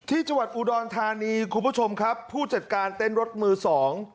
ที่จังหวัดอุดรธานีคุณผู้ชมครับผู้จัดการเต้นรถมือสอง